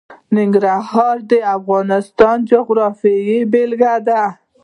ننګرهار د افغانستان د جغرافیې بېلګه ده.